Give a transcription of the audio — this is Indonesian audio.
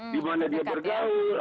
di mana dia bergaul